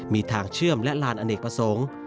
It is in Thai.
มีทางเชื่อมและลานอเนกประสงค์